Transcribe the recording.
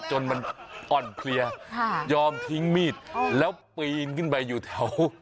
จนมันอ่อนเพลียยอมทิ้งมีดแล้วปีนขึ้นไปอยู่แถว